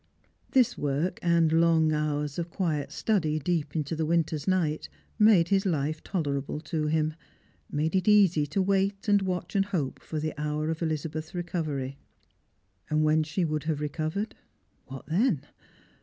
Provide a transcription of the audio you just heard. This work, and long hours of quiet study deep into the winter's night, made his life tolerable to him — made it easy to wait and watch and hope for the hour of EUza beth's recovery. And when she would have recovered — what then